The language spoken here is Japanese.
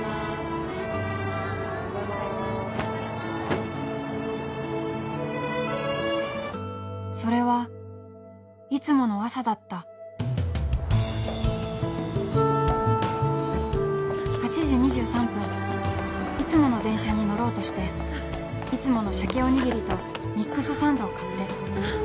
おはようございますおはようございますおはようございますそれはいつもの朝だった８時２３分いつもの電車に乗ろうとしていつものしゃけおにぎりとミックスサンドを買ってああ